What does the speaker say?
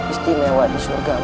istimewa di syurga